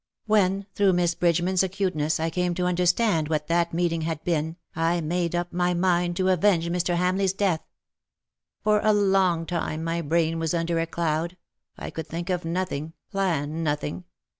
When, through Miss Bridgeman's acuteness, I came to understand what that meeting had been, I made up my mind to avenge Mr. Hamleigh 's death. For a long time my brain was under a cloud — I could think of nothing, plan nothing.